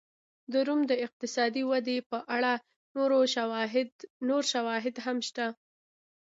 د روم د اقتصادي ودې په اړه نور شواهد هم شته.